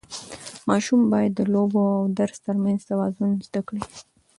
ماشوم باید د لوبو او درس ترمنځ توازن زده کړي.